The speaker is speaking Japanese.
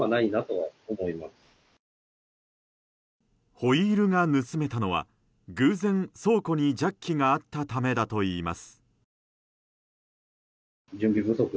ホイールが盗めたのは偶然、倉庫にジャッキがあったためだといいます。